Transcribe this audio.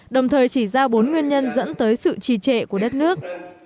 đồng thời chỉ ra bốn nguyên nhân dẫn tới sự trì trệ của đất nước